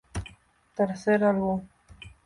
Tercer álbum?